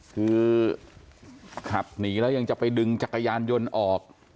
คือขับหนีแล้วยังจะไปดึงจักรยานยนต์ออก